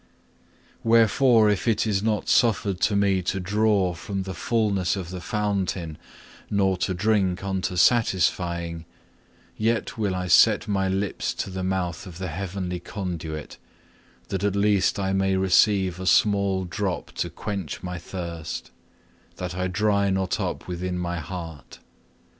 4. Wherefore if it is not suffered to me to draw from the fulness of the fountain, nor to drink unto satisfying, yet will I set my lips to the mouth of the heavenly conduit, that at least I may receive a small drop to quench my thirst, that I dry not up within my heart.